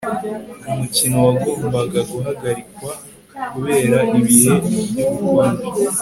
umukino wagombaga guhagarikwa kubera ibihe by'ubukonje